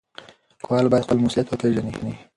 لیکوال باید خپل مسولیت وپېژني.